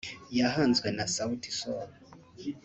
yahanzwe na Sauti Sol